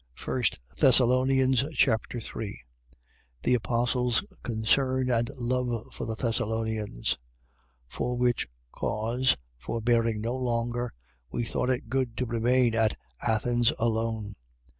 1 Thessalonians Chapter 3 The apostle's concern and love for the Thessalonians. 3:1. For which cause, forbearing no longer, we thought it good to remain at Athens alone.